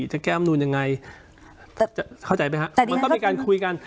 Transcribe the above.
จะแก้อำนูนยังไงเข้าใจไหมครับมันต้องมีการคุยกัน